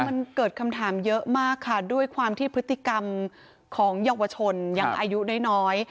มันเกิดคำถามเยอะมากค่ะด้วยความที่พฤติกรรมของเยาวชนยังอายุน้อย